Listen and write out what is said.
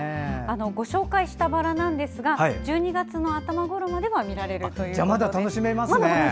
ご紹介したバラなんですが１２月の頭ごろまでは見られるということです。